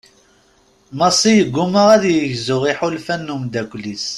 Massi yegguma ad yegzu iḥulfan n umddakel-is.